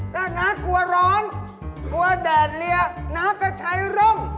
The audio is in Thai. แต่น้ากลัวร้อนกลัวแดดเรียน้าก็ใช้ร่ม